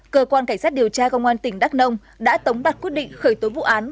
cơ quan cảnh sát điều tra công an tỉnh đắk nông đã tống đặt quyết định khởi tố vụ án